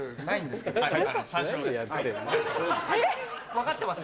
分かってます？